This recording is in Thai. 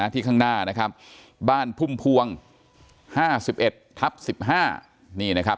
ข้างหน้านะครับบ้านพุ่มพวง๕๑ทับ๑๕นี่นะครับ